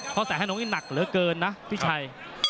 เพราะแสนอนงค์นี่หนักเหลือเกินนะพี่ชัย